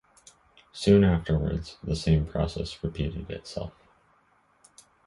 Soon afterwards, the same process repeated itself.